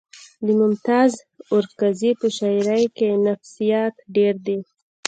د ممتاز اورکزي په شاعرۍ کې نفسیات ډېر دي